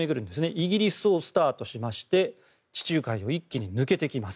イギリスをスタートしまして地中海を一気に抜けてきます。